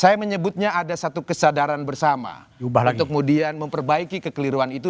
saya menyebutnya ada satu kesadaran bersama untuk kemudian memperbaiki kekeliruan itu